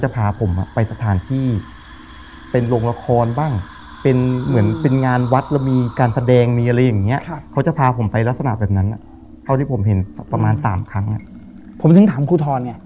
ผมถึงถามครูทอน